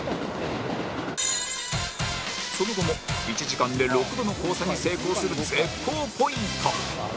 その後も１時間で６度の交差に成功する絶好ポイント